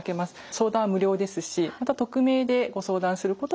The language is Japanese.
相談は無料ですし匿名でご相談することもできます。